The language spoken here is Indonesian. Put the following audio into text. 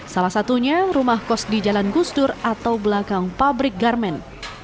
salah satunya rumah kos di jalan gusdur atau belakang pabrik garmen